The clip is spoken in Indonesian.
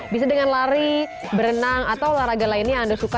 bisa dengan lari berenang atau olahraga lainnya yang anda suka